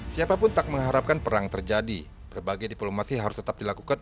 siapapun tak mengharapkan perang terjadi berbagai diplomasi harus tetap dilakukan